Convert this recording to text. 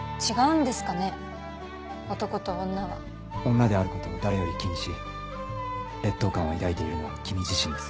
女である事を誰より気にし劣等感を抱いているのは君自身です。